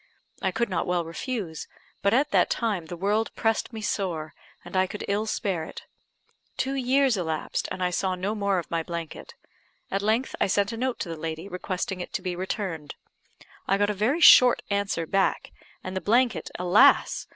I could not well refuse; but at that time, the world pressed me sore, and I could ill spare it. Two years elapsed, and I saw no more of my blanket; at length I sent a note to the lady, requesting it to be returned. I got a very short answer back, and the blanket, alas!